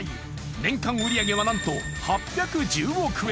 年間売り上げは何と８１０億円